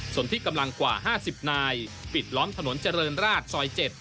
ส่วนที่กำลังกว่า๕๐นายปิดล้อมถนนเจริญราชซอย๗